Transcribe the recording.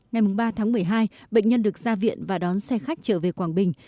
ngày ba tháng một mươi hai bệnh nhân được ra viện và đón xe khách trở về quảng bình